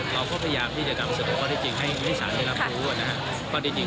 เขาต้องให้กันทางสารพิจารณาอีกครั้งหนึ่งอืมในส่วนของพยานฝากเราเอง